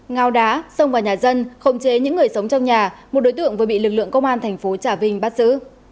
ngào đá sông vào nhà dân khống chế những người sống trong nhà một đối tượng vừa bị lực lượng công an thành phố trà vinh bắt giữ